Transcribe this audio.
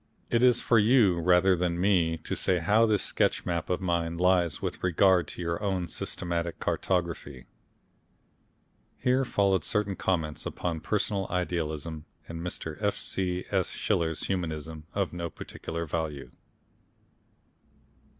It is for you rather than me to say how this sketch map of mine lies with regard to your own more systematic cartography.... Here followed certain comments upon Personal Idealism, and Mr. F. C. S. Schiller's Humanism, of no particular value.